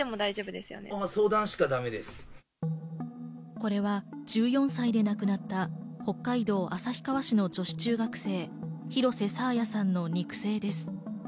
これは１４歳で亡くなった北海道旭川市の女子中学生、廣瀬爽彩さんの肉声です。